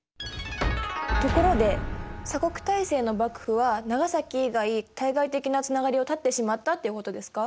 ところで鎖国体制の幕府は長崎以外対外的なつながりを絶ってしまったっていうことですか？